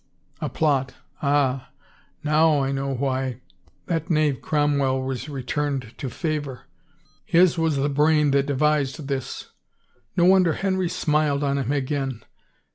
A plot — ah, now I know why 325 THE FAVOR OF KINGS that knave Cromwell was returned to favor! His was the brain that devised this. No wonder Henry smiled on him again.